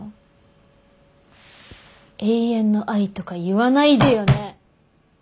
永遠の愛とか言わないでよね！